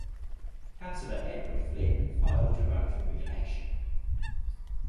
Councillor Edward Flynn filed to run for reelection.